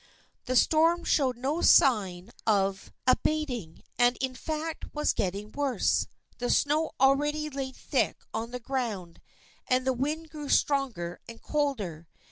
The storm showed no sign of THE FKIENDSHIP OF ANNE 121 abating, and in fact was getting worse. The snow already lay thick on the ground, and the wind grew stronger and colder.